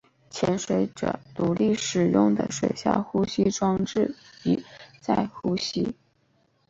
潜水者使用独立的水下呼吸装置以在呼吸。